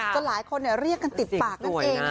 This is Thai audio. หลายคนเรียกกันติดปากนั่นเอง